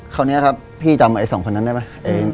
คราวนี้ครับพี่จำไอ้สองคนนั้นได้ไหม